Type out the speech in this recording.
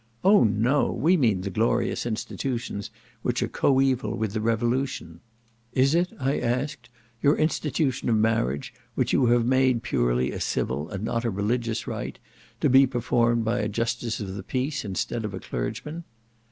"Oh no! we mean the glorious institutions which are coeval with the revolution." "Is it," I asked, "your institution of marriage, which you have made purely a civil and not a religious rite, to be performed by a justice of peace, instead of a clergyman?"